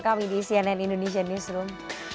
kami di cnn indonesia newsroom